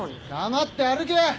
黙って歩け！